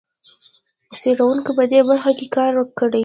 څېړونکو په دې برخه کې کار کړی.